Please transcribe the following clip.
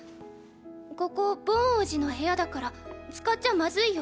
ここボン王子の部屋だから使っちゃまずいよ。